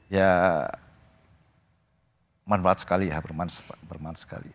ya bermanfaat sekali ya